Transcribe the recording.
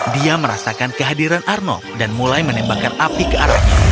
dia merasakan kehadiran arnold dan mulai menembakkan api ke arahnya